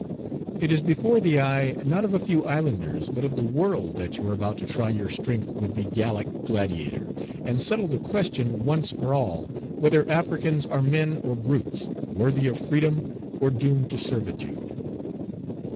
It is before the eye, not of a few islanders, but of the world, that you are about to try your strength with the Gallic gladiator, and settle the question, once for all, whether Africans are men or brutes, worthy of freedom, or doomed to servitude.